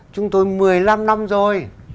chúng tôi một mươi năm năm rồi